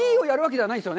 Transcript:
はい。